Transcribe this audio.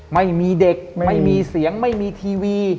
ไม่มีเด็กไม่มีเสียงไม่มีทีวี